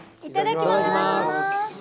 いただきます！